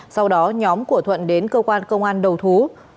sau đó nhóm của thuận đến cơ quan công an đầu thú